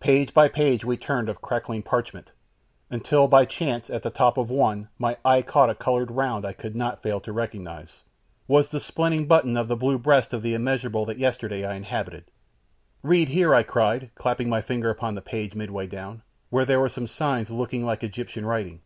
Page by page we turned of crackling parchment, until by chance, at the top of one, my eye caught a coloured round I could not fail to recognise 'twas the spinning button on the blue breast of the immeasurable that yesterday I inhabited. "Read here," I cried, clapping my finger upon the page midway down, where there were some signs looking like Egyptian writing.